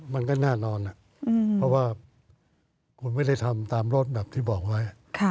มันก็แน่นอนเพราะว่าคุณไม่ได้ทำตามรถแบบที่บอกไว้